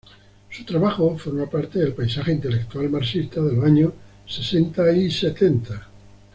Su trabajo forma parte del paisaje intelectual marxista de los años sesenta y setenta.